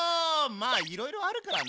まあいろいろあるからな。